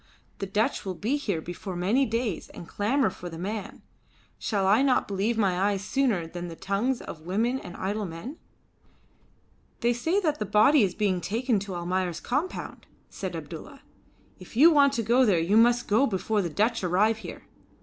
The Dutch will be here before many days and clamour for the man. Shall I not believe my eyes sooner than the tongues of women and idle men?" "They say that the body is being taken to Almayer's compound," said Abdulla. "If you want to go there you must go before the Dutch arrive here.